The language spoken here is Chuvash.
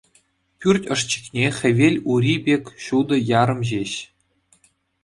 Пӳрт ӑшчикне хӗвел ури пек ҫутӑ ярӑм ҫеҫ.